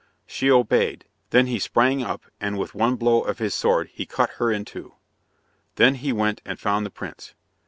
She obeyed. Then he sprang up, and with one blow of his sword he cut her in two. Then he went and found the prince.